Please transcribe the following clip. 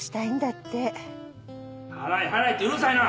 払え払えってうるさいな！